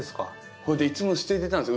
それでいつも捨ててたんですよ